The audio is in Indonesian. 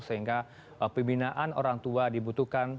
sehingga pembinaan orang tua dibutuhkan